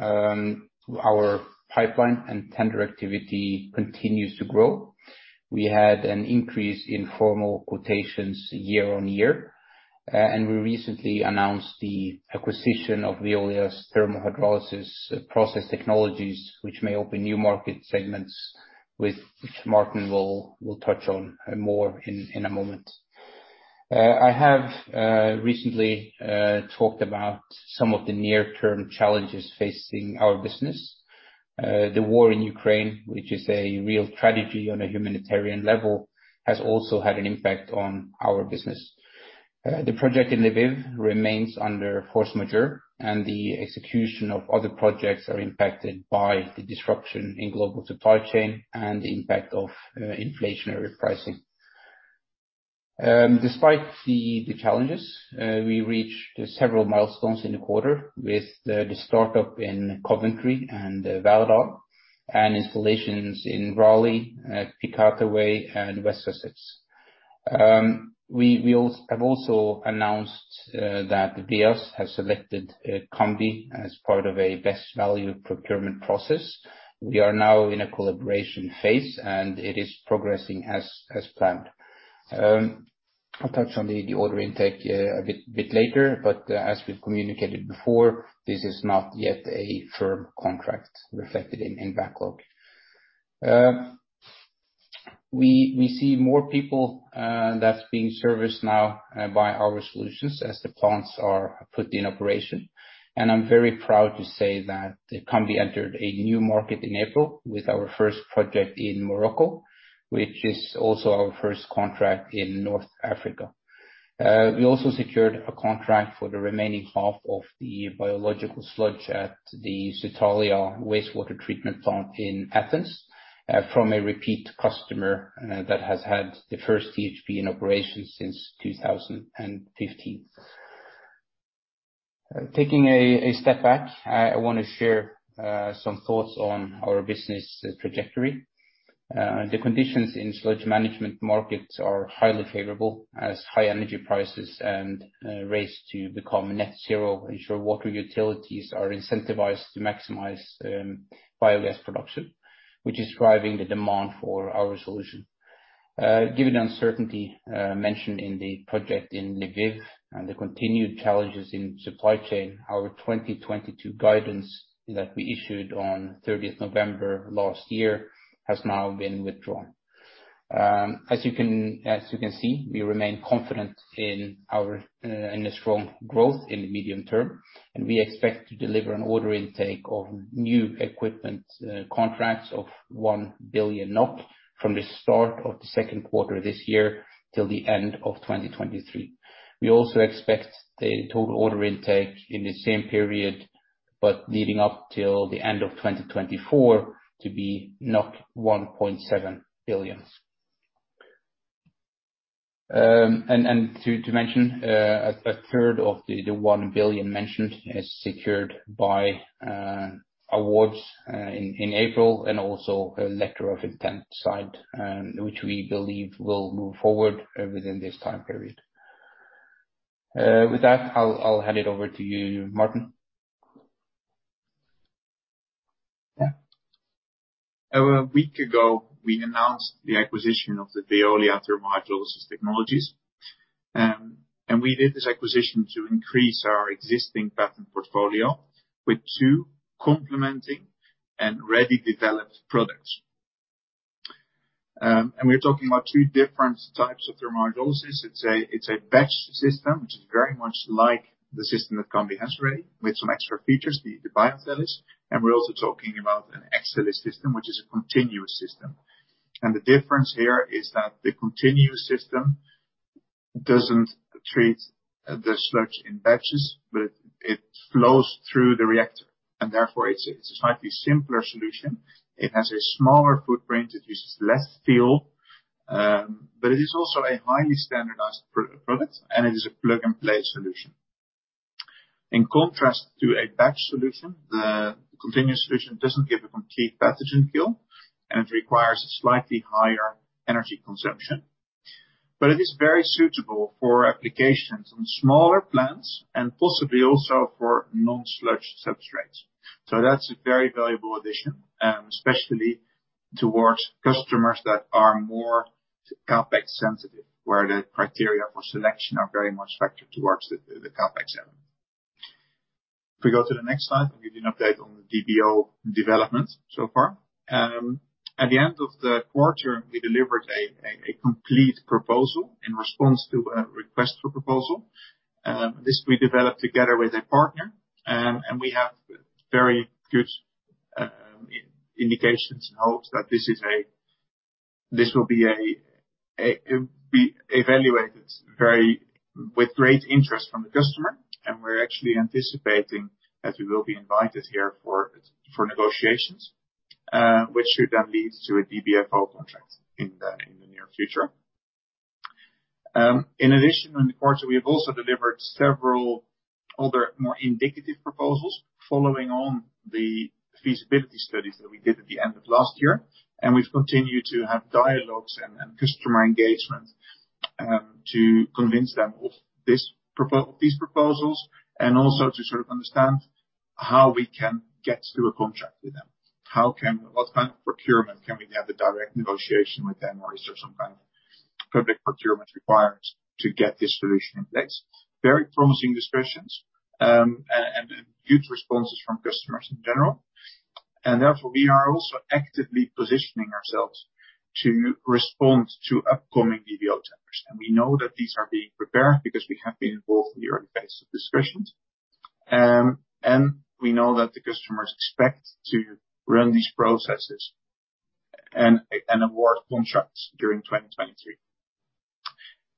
Our pipeline and tender activity continues to grow. We had an increase in formal quotations year on year, and we recently announced the acquisition of Veolia's thermal hydrolysis process technologies, which may open new market segments, which Maarten will touch on more in a moment. I have recently talked about some of the near-term challenges facing our business. The war in Ukraine, which is a real tragedy on a humanitarian level, has also had an impact on our business. The project in Lviv remains under force majeure, and the execution of other projects are impacted by the disruption in global supply chain and the impact of inflationary pricing. Despite the challenges, we reached several milestones in the quarter with the start-up in Coventry and Valldoreix, and installations in Raleigh, at Piscataway, and West Sussex. We have also announced that Veolia has selected Cambi as part of a best value procurement process. We are now in a collaboration phase, and it is progressing as planned. I'll touch on the order intake a bit later, but as we've communicated before, this is not yet a firm contract reflected in backlog. We see more people that's being serviced now by our solutions as the plants are put in operation. I'm very proud to say that Cambi entered a new market in April with our first project in Morocco, which is also our first contract in North Africa. We also secured a contract for the remaining half of the biological sludge at the Psyttalia Wastewater Treatment Plant in Athens, from a repeat customer, that has had the first THP in operation since 2015. Taking a step back, I wanna share some thoughts on our business trajectory. The conditions in sludge management markets are highly favorable. As high energy prices and race to become net zero ensure water utilities are incentivized to maximize biogas production, which is driving the demand for our solution. Given the uncertainty mentioned in the project in Lviv and the continued challenges in supply chain, our 2022 guidance that we issued on 30 November last year has now been withdrawn. As you can see, we remain confident in our strong growth in the medium term, and we expect to deliver an order intake of new equipment contracts of 1 billion NOK from the start of the second quarter this year till the end of 2023. We also expect the total order intake in the same period, but leading up till the end of 2024 to be NOK 1.7 billion. To mention, a third of the 1 billion mentioned is secured by awards in April and also a letter of intent signed, which we believe will move forward within this time period. With that, I'll hand it over to you, Maarten. Yeah. A week ago, we announced the acquisition of the Veolia Thermal Hydrolysis Technologies. We did this acquisition to increase our existing patent portfolio with two complementary and readily developed products. We're talking about two different types of thermal hydrolysis. It's a batch system, which is very much like the system that Cambi has already with some extra features, the BioThelys. We're also talking about an Exelys system, which is a continuous system. The difference here is that the continuous system doesn't treat the sludge in batches, but it flows through the reactor, and therefore it's a slightly simpler solution. It has a smaller footprint. It uses less fuel. It is also a highly standardized product, and it is a plug-and-play solution. In contrast to a batch solution, the continuous solution doesn't give a complete pathogen kill, and it requires a slightly higher energy consumption. It is very suitable for applications on smaller plants and possibly also for non-sludge substrates. That's a very valuable addition, especially towards customers that are more CapEx sensitive, where the criteria for selection are very much factored towards the CapEx element. If we go to the next slide, I'll give you an update on the DBFO development so far. At the end of the quarter, we delivered a complete proposal in response to a request for proposal. This we developed together with a partner, and we have very good indications and hopes that this is a. It will be evaluated with great interest from the customer, and we're actually anticipating that we will be invited here for negotiations, which should then lead to a DBFO contract in the near future. In addition, in the quarter, we have also delivered several other more indicative proposals following on the feasibility studies that we did at the end of last year, and we've continued to have dialogues and customer engagement. To convince them of these proposals, and also to sort of understand how we can get to a contract with them. What kind of procurement can we have, the direct negotiation with them, or is there some kind of public procurement requirements to get this solution in place? Very promising discussions and huge responses from customers in general. Therefore we are also actively positioning ourselves to respond to upcoming DBO tenders. We know that these are being prepared because we have been involved in the early phase of discussions. We know that the customers expect to run these processes and award contracts during 2023.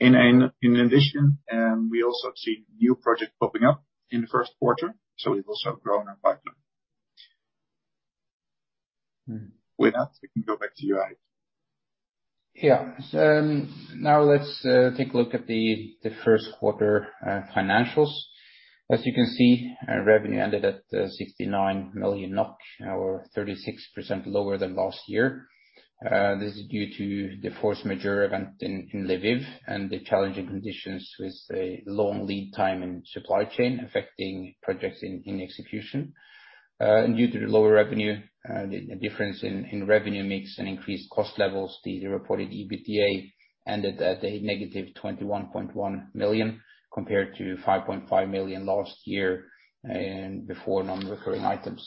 In addition, we also see new projects popping up in the first quarter, so we've also grown our pipeline. With that, we can go back to you, Eirik. Yeah. Now let's take a look at the first quarter financials. As you can see, our revenue ended at 69 million NOK, or 36% lower than last year. This is due to the force majeure event in Lviv and the challenging conditions with a long lead time in supply chain affecting projects in execution. Due to the lower revenue, the difference in revenue mix and increased cost levels, the reported EBITDA ended at a negative 21.1 million compared to 5.5 million last year and before non-recurring items.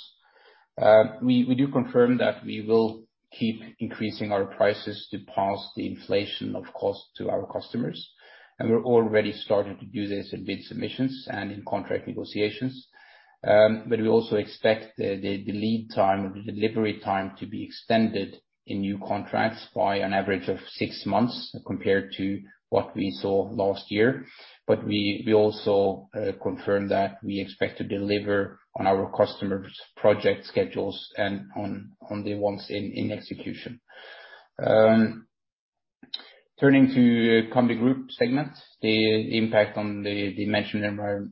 We do confirm that we will keep increasing our prices to pass the inflation of cost to our customers, and we're already starting to do this in bid submissions and in contract negotiations. We also expect the lead time or the delivery time to be extended in new contracts by an average of six months compared to what we saw last year. We also confirm that we expect to deliver on our customers' project schedules and on the ones in execution. Turning to Cambi Group segments, the impact on the digestion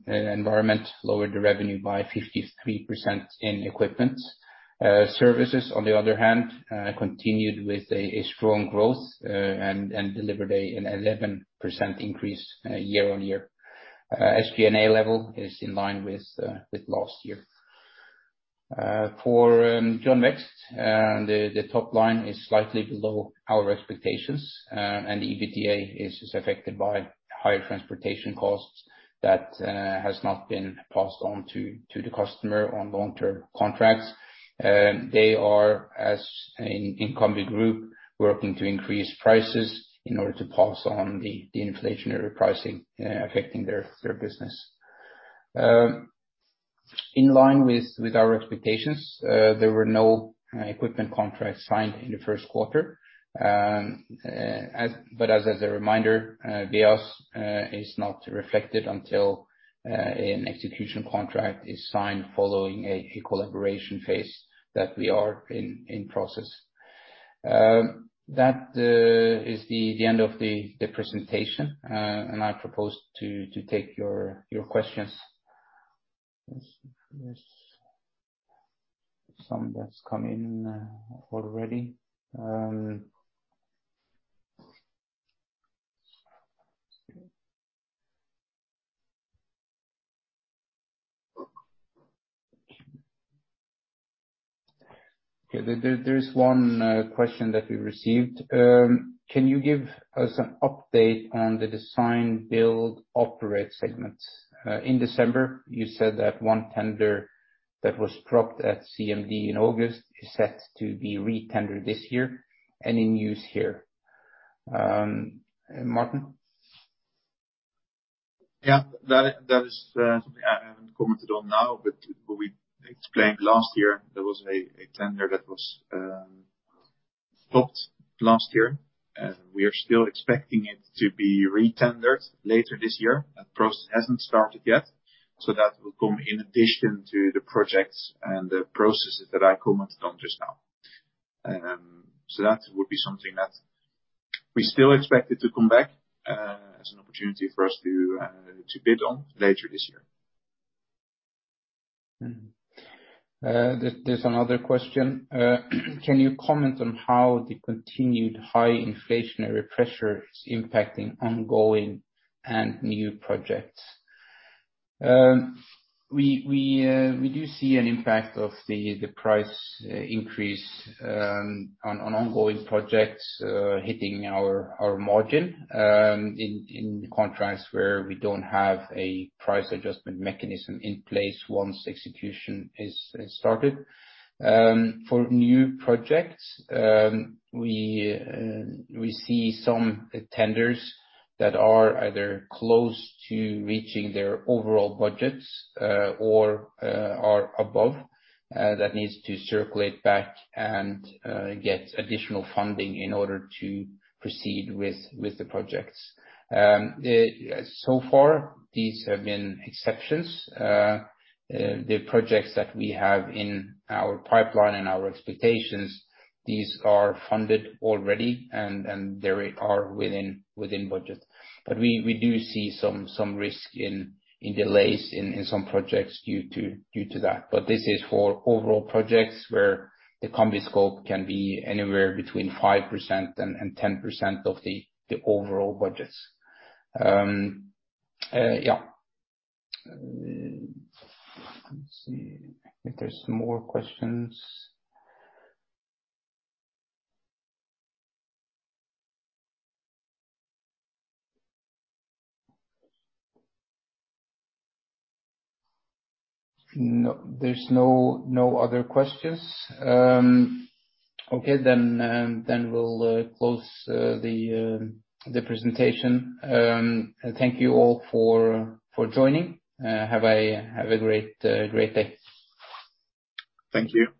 environment lowered the revenue by 53% in equipment. Services, on the other hand, continued with a strong growth and delivered an 11% increase year-on-year. The SG&A level is in line with last year. For John West, the top line is slightly below our expectations, and the EBITDA is affected by higher transportation costs that has not been passed on to the customer on long-term contracts. They are, as in Cambi Group, working to increase prices in order to pass on the inflationary pricing affecting their business. In line with our expectations, there were no equipment contracts signed in the first quarter. As a reminder, BOOS is not reflected until an execution contract is signed following a collaboration phase that we are in process. That is the end of the presentation. I propose to take your questions. Some that's come in already. Okay. There's one question that we received. Can you give us an update on the design, build, operate segments? In December, you said that one tender that was dropped at CMD in August is set to be re-tendered this year. Any news here? Maarten? Yeah. That is something I haven't commented on now, but what we explained last year, there was a tender that was stopped last year. We are still expecting it to be re-tendered later this year. That process hasn't started yet. That will come in addition to the projects and the processes that I commented on just now. That would be something that we still expect it to come back as an opportunity for us to bid on later this year. There's another question. Can you comment on how the continued high inflationary pressure is impacting ongoing and new projects? We do see an impact of the price increase on ongoing projects, hitting our margin in contracts where we don't have a price adjustment mechanism in place once execution is started. For new projects, we see some tenders that are either close to reaching their overall budgets or are above that needs to circle back and get additional funding in order to proceed with the projects. So far these have been exceptions. The projects that we have in our pipeline and our expectations, these are funded already and they are within budget. We do see some risk in delays in some projects due to that. This is for overall projects where the Cambi scope can be anywhere between 5% and 10% of the overall budgets. Let's see if there's some more questions. No, there's no other questions. Okay. Then we'll close the presentation. Thank you all for joining. Have a great day. Thank you.